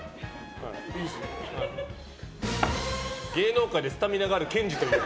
芸能界でスタミナがあるケンジといえば？